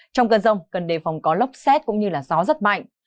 trong cơn rông cần đề phòng có lốc xét cũng như gió rất mạnh